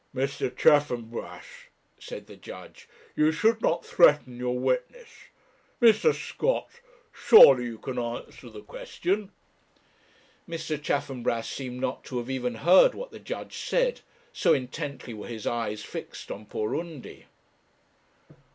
'Mr. Chaffanbrass,' said the judge, 'you should not threaten your witness. Mr. Scott surely you can answer the question.' Mr. Chaffanbrass seemed not to have even heard what the judge said, so intently were his eyes fixed on poor Undy.